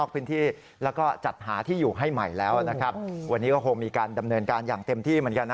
พื้นที่แล้วก็จัดหาที่อยู่ให้ใหม่แล้วนะครับวันนี้ก็คงมีการดำเนินการอย่างเต็มที่เหมือนกันนะ